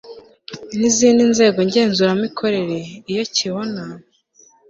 n izindi nzego ngenzuramikorere iyo kibona